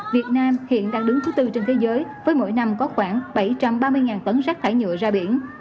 việt nam hiện đang đứng thứ tư trên thế giới với mỗi năm có khoảng bảy trăm ba mươi tấn rác thải nhựa ra biển